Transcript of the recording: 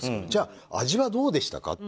じゃあ味はどうでしたか？